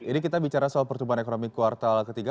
ini kita bicara soal pertumbuhan ekonomi kuartal ketiga